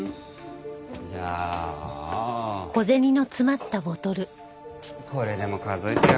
じゃあこれでも数えてよ。